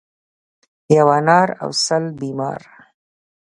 ـ یو انار او سل بیمار.